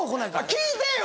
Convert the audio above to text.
聞いてよ